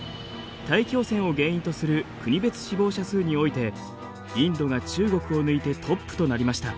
大気汚染を原因とする国別死亡者数においてインドが中国を抜いてトップとなりました。